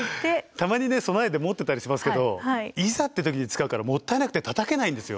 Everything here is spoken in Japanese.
たまにね備えで持ってたりしますけどいざっていう時に使うからもったいなくてたたけないんですよ。